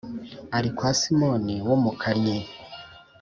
ari kwa Simoni w umukannyi